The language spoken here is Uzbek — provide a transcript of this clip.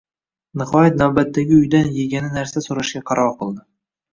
Nihoyat navbatdagi uydan yegani narsa soʻrashga qaror qildi